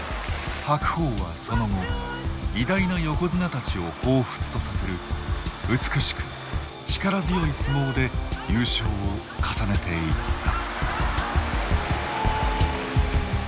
白鵬はその後偉大な横綱たちを彷彿とさせる美しく力強い相撲で優勝を重ねていった。